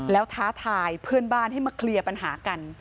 แล้วท้าทายเพื่อนบ้านให้มาเคลียร์ปัญหากัน